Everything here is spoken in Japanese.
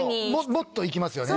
もっといきますよね？